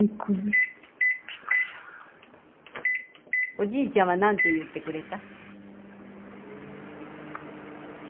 おじいちゃんは何て言ってくれた？